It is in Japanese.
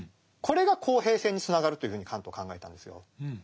これが公平性につながるというふうにカントは考えたんですよ。